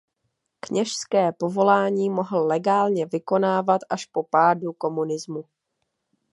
Kněžské povolání mohl legálně vykonávat až po pádu komunismu.